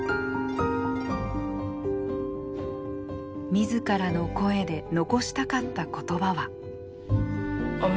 自らの声で残したかった言葉は。